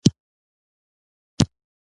استاد د زده کوونکي شوق لوړوي.